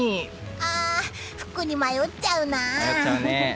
ああ服に迷っちゃうな。